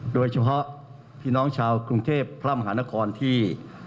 โดยเฉพาะพี่น้องชาวกรุงเทพพระมหานครที่